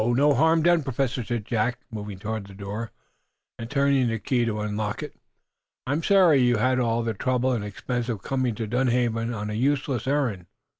"No harm done, Professor," said Jack, moving toward the door, and turning the key to unlock it. "I'm sorry you had all the trouble and expense of coming to Dunhaven on a useless errand.